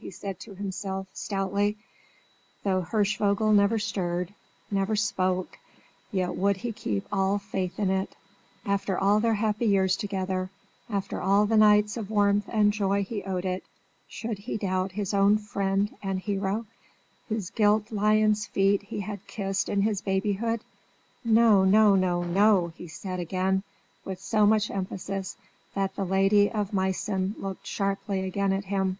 he said to himself, stoutly: though Hirschvogel never stirred, never spoke, yet would he keep all faith in it! After all their happy years together, after all the nights of warmth and joy he owed it, should he doubt his own friend and hero, whose gilt lion's feet he had kissed in his babyhood? "No, no, no, no!" he said, again, with so much emphasis that the Lady of Meissen looked sharply again at him.